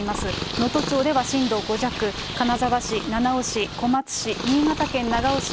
能登町では震度５弱、金沢市、七尾市、小松市、新潟県長岡市、